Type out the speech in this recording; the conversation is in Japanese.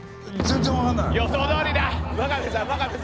予想どおりだ！